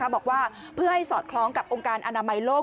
บอกว่าเพื่อให้สอดคล้องกับองค์การอนามัยโลก